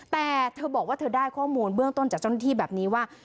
แต่เธอบอกว่าเธอได้ข้อมูลเบื้องต้นจากเจ้าหน้าที่แบบนี้ว่า